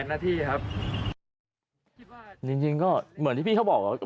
คุณธิชานุลภูริทัพธนกุลอายุ๓๔